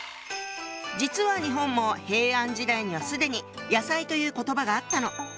実は日本も平安時代には既に「野菜」という言葉があったの。